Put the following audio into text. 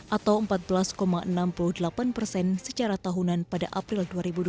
atau empat belas enam puluh delapan persen secara tahunan pada april dua ribu dua puluh